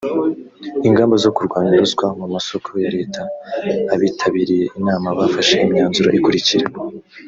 ingamba zo kurwanya ruswa mu masoko ya leta abitabiriye inama bafashe imyanzuro ikurikira